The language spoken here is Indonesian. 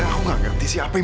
tidak usah berganteng sama oma